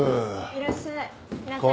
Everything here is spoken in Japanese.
いらっしゃいませ。